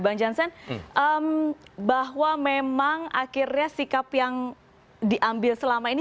bang jansen bahwa memang akhirnya sikap yang diambil selama ini